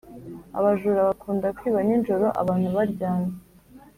Abajura bakunda kwiba ninjoro abantu baryamye